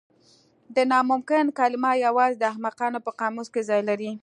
د ناممکن کلمه یوازې د احمقانو په قاموس کې ځای لري.